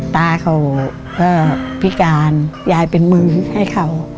ตาเขาก็พิการยายเป็นมือให้เขา